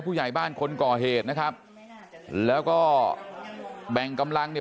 ผู้ใหญ่บ้านคนก่อเหตุนะครับแล้วก็แบ่งกำลังเนี่ย